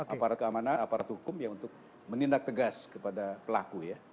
aparat keamanan aparat hukum ya untuk menindak tegas kepada pelaku ya